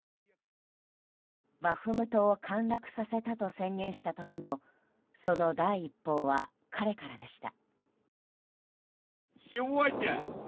バフムトを陥落させたと宣言した時もその第一報は彼からでした。